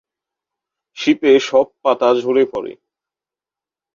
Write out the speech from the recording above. শীতে সব পাতা ঝরে পড়ে।